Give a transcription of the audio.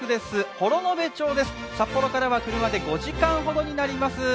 幌延町です、札幌からは車で５時間ほどになります。